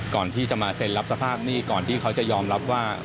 ก่อนที่จะมาเซ็นรับสภาพหนี้ก่อนที่เขาจะยอมรับว่า